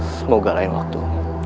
semoga lain waktu